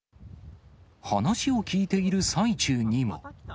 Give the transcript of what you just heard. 話を聞いている最中にも。